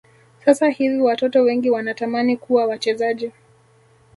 sasa hivi watoto wengi wanatamani kuwa wachezaji